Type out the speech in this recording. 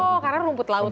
oh karena rumput lautnya